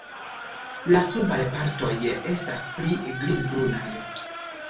La subaj partoj estas pli grizbrunaj.